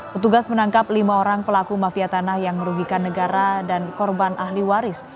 petugas menangkap lima orang pelaku mafia tanah yang merugikan negara dan korban ahli waris